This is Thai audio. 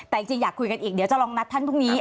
แต่จริงอยากคุยกันอีกเดี๋ยวจะลองนัดท่านพรุ่งนี้